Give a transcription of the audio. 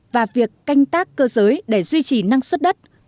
và việc canh tác cơ giới để duy trì năng suất đất